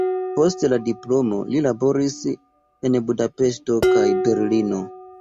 Post la diplomo li laboris en Budapeŝto kaj Berlino.